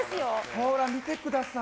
ほら、見てください。